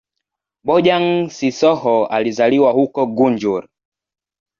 Bojang-Sissoho alizaliwa huko Gunjur.